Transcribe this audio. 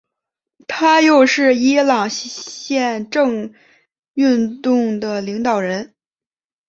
他又是伊朗宪政运动的领导人。